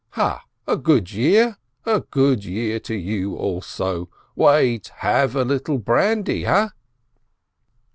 "Ha, a good year ? A good year to you also ! Wait, have a little brandy, ha